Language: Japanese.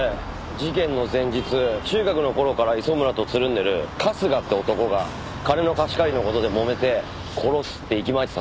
事件の前日中学の頃から磯村とつるんでる春日って男が金の貸し借りの事でもめて殺すって息巻いてたそうです。